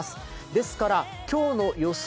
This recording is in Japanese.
ですから今日の予想